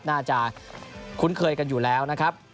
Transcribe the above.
น่าจะคุ้นเคยกันอยู่แล้วนะครับ